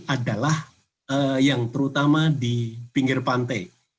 adalah yang terutama di pinggir pantai